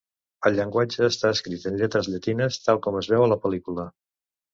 El llenguatge està escrit en lletres llatines, tal com es veu a la pel·lícula.